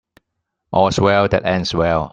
All's well that ends well.